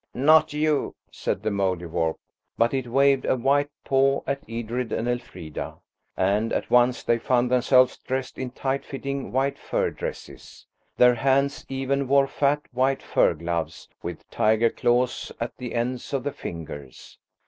"Not you," said the Mouldiwarp. But it waved a white paw at Edred and Elfrida, and at once they found themselves dressed in tight fitting white fur dresses. Their hands even wore fat, white fur gloves with tiger claws at the ends of the fingers.